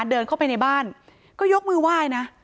เดินเข้าไปในบ้านก็ยกมือไหว้นะ